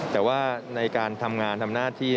แต่ว่าในการทำงานทำหน้าที่